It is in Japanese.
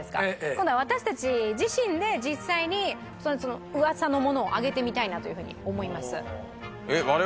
今度は私たち自身で実際にその噂のものを揚げてみたいなというふうに思います。